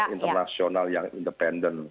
internasional yang independen